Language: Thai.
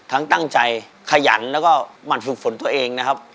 ตั้งใจขยันแล้วก็หมั่นฝึกฝนตัวเองนะครับ